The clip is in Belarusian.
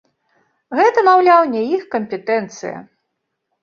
Гэта, маўляў, не іх кампетэнцыя.